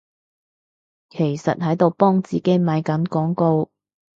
其實喺度幫自己賣緊廣告？